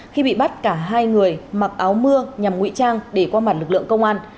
khi bị bắt cả hai người mặc áo mưa nhằm ngụy trang để qua mặt lực lượng công an